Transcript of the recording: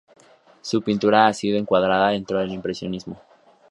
Su pintura ha sido encuadrada dentro del impresionismo.